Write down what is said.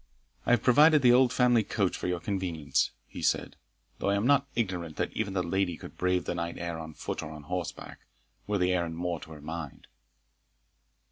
I have provided the old family coach for your convenience," he said, "though I am not ignorant that even the lady could brave the night air on foot or on horseback, were the errand more to her mind."